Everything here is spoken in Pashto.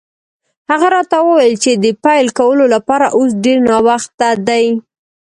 هغه راته وویل چې د پیل کولو لپاره اوس ډېر ناوخته دی.